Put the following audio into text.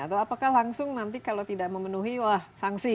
atau apakah langsung nanti kalau tidak memenuhi wah sanksi